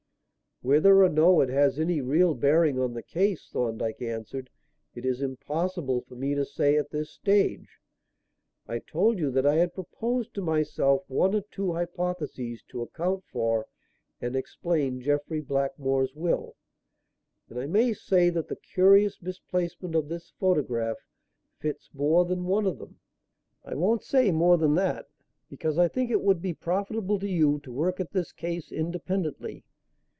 "Whether or no it has any real bearing on the case," Thorndyke answered, "it is impossible for me to say at this stage. I told you that I had proposed to myself one or two hypotheses to account for and explain Jeffrey Blackmore's will, and I may say that the curious misplacement of this photograph fits more than one of them. I won't say more than that, because I think it would be profitable to you to work at this case independently.